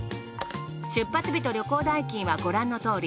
出発日と旅行代金はご覧のとおり。